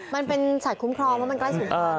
มันเป็นสัตว์คุ้มครองว่ามันใกล้สุนทร